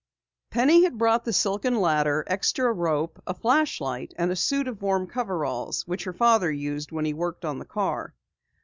Penny had brought the silken ladder, extra rope, a flashlight and a suit of warm coveralls which her father used when he worked on the car.